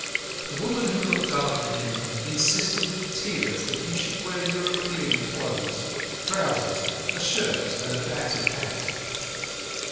The woman who looked after him insisted with tears that he should wear European clothes—trousers, a shirt and a battered hat.